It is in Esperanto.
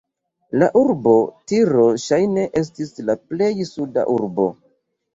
La urbo Tiro ŝajne estis la plej suda urbo.